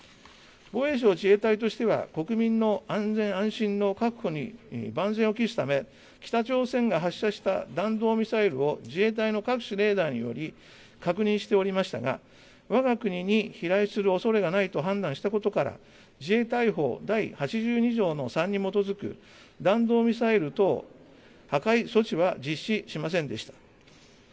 防衛省自衛隊としては、国民の安全・安心の確保に万全を期すため、北朝鮮が発射した弾道ミサイルを自衛隊の各種レーダーにより、確認しておりましたが、わが国に飛来するおそれがないと判断したことから、自衛隊法第８２条の３に基づく弾道ミサイル等破壊措置は実施しませんでした。